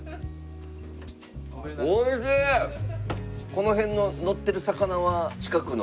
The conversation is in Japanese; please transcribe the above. この辺ののってる魚は近くの。